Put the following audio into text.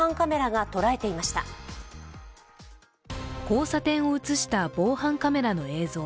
交差点を移した防犯カメラの映像。